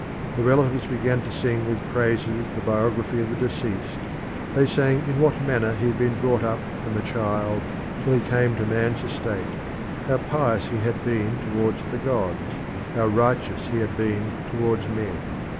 The relatives began to sing with praises the biography of the deceased; they sang in what manner he had been brought up from a child till he came to man's estate, how pious he had been towards the gods, how righteous he had been towards men.